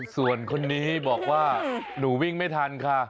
ส่วนคนนี้บอกว่าหนูวิ่งไม่ทันค่ะ